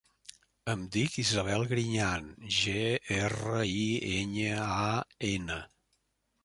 Em dic Isabel Griñan: ge, erra, i, enya, a, ena.